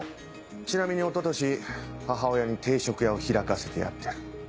ちなみに一昨年母親に定食屋を開かせてやってる。